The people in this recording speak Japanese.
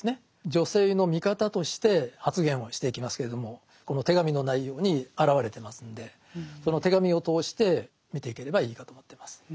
女性の味方として発言をしていきますけれどもこの手紙の内容に表れてますんでその手紙を通して見ていければいいかと思ってます。